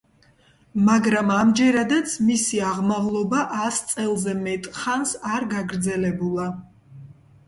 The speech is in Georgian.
მაგრამ ამჯერადაც მისი აღმავლობა ას წელზე მეტხანს არ გაგრძელებულა.